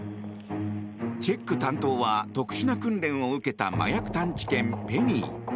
チェック担当は、特殊な訓練を受けた麻薬探知犬ペニー。